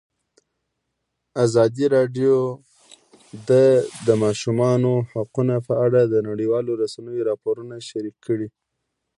ازادي راډیو د د ماشومانو حقونه په اړه د نړیوالو رسنیو راپورونه شریک کړي.